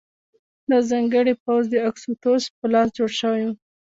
دا ځانګړی پوځ د اګوستوس په لاس جوړ شوی و